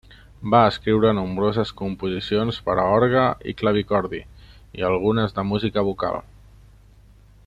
Va escriure nombroses composicions per a orgue i clavicordi, i algunes de música vocal.